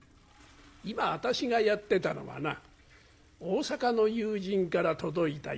今私がやってたのはな大阪の友人から届いた『柳陰』というお酒だ。